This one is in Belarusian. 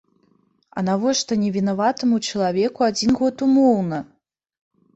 А навошта невінаватаму чалавеку адзін год умоўна?